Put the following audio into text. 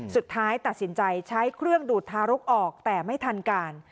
สุดท้ายตัดสินใจใช้เครื่องดูดทารกออกแต่ไม่ทันการ